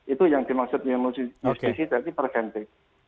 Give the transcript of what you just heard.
itu yang dimaksud non justice jadi preventif